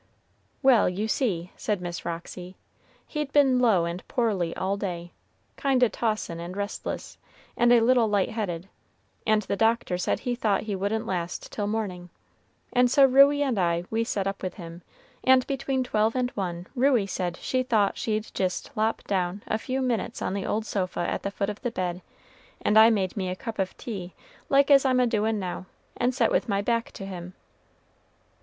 "Well, you see," said Miss Roxy, "he'd been low and poorly all day, kind o' tossin' and restless, and a little light headed, and the Doctor said he thought he wouldn't last till morning, and so Ruey and I we set up with him, and between twelve and one Ruey said she thought she'd jist lop down a few minutes on the old sofa at the foot of the bed, and I made me a cup of tea like as I'm a doin' now, and set with my back to him."